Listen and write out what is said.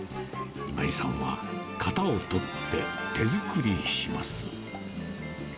今井さんは型を取って手作りします。